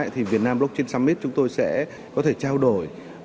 hai nghìn hai mươi ba thì việt nam blockchain summit chúng tôi sẽ có thể trao đổi